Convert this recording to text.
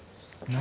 何？